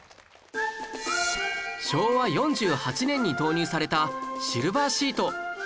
昭和４８年に導入されたシルバーシート